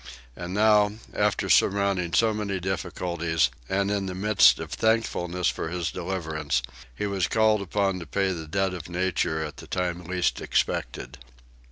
And now, after surmounting so many difficulties, and in the midst of thankfulness for his deliverance, he was called upon to pay the debt of nature at a time least expected.